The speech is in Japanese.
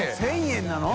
１０００円なの？